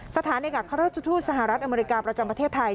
สถานกับศาสตร์ธุรกิจสหรัฐอเมริกาประจำประเทศไทย